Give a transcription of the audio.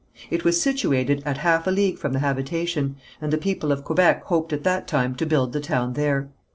It was situated at half a league from the habitation, and the people of Quebec hoped at that time to build the town there.